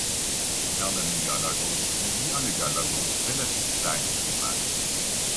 Allen-Galagos sind wie alle Galagos relativ kleine Primaten.